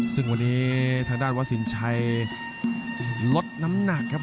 ซึ่งวันนี้ทางด้านวัดสินชัยลดน้ำหนักครับ